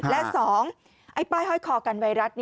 และ๒ไอ้ป้ายห้อยคอกันไวรัส